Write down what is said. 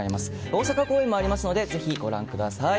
大阪公演もありますのでぜひご覧ください。